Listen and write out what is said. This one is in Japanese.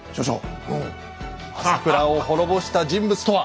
朝倉を滅ぼした人物とは？